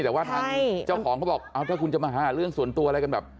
แต่ว่าทางเจ้าของเขาบอกถ้าคุณจะมาหาเรื่องส่วนตัวอะไรกันแบบ